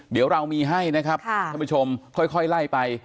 เดี๋ยวเรามีให้นะครับท่านผู้ชมค่อยไล่ไป